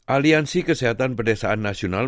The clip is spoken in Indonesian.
aliansi kesehatan pedesaan nasional